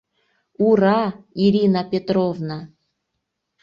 Ура, Ирина Петровна!